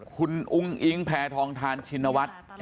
คุณอุ้งอิงแพทองทานชินวัฒน์